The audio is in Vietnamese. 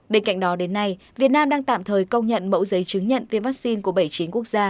bên cạnh đó đến nay việt nam đang tạm thời công nhận mẫu giấy chứng nhận tiêm vaccine của bảy mươi chín quốc gia